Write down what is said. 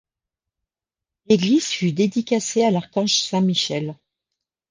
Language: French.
L’église fut dédicacée à l’archange saint Michel.